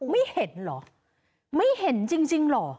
ไม่เห็นเหรอไม่เห็นจริงเหรอ